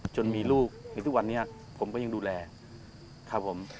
จนมีลูกในทุกวันนี้ผมก็ยังดูแลครับผม